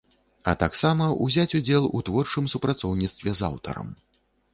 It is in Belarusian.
А таксама ўзяць удзел у творчым супрацоўніцтве з аўтарам.